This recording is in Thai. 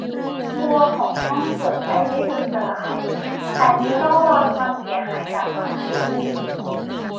บัวของห้องส่วนใหญ่ไม่บุบสลาย แต่มีร่องรอยของความเสียหายจากความชื้น